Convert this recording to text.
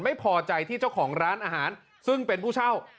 ไม่พอใจที่เจ้าของร้านอาหารซึ่งเป็นผู้เช่า